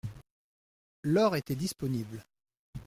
L'or était disponible.